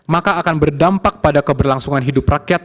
maka akan berdampak pada keberlangsungan hidup rakyat